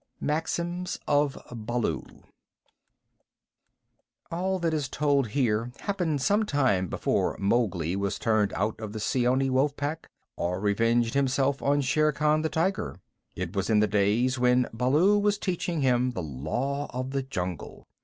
Maxims of Baloo All that is told here happened some time before Mowgli was turned out of the Seeonee Wolf Pack, or revenged himself on Shere Khan the tiger. It was in the days when Baloo was teaching him the Law of the Jungle.